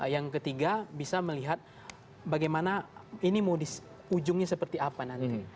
yang ketiga bisa melihat bagaimana ini mau di ujungnya seperti apa nanti